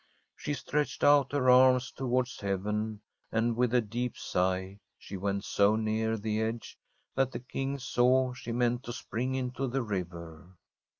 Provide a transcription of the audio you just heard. She stretched out her arms towards heaven, and, with a deep sigh, she went so near the edge that the King saw she meant to spring into the river.